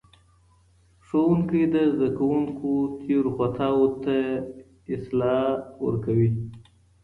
ښوونکی د زدهکوونکو تیرو خطاوو ته اصلاح ورکوي.